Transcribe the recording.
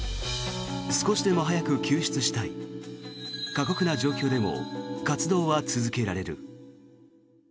少しでも早く救出したい過酷な状況でも活動は続けられる。